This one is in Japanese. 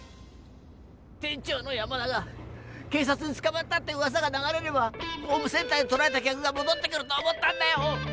店長の山田が警さつにつかまったってうわさが流れればホームセンターに取られた客がもどってくると思ったんだよ！